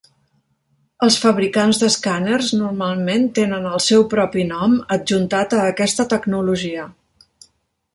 Els fabricants d'escàners normalment tenen el seu propi nom adjuntat a aquesta tecnologia.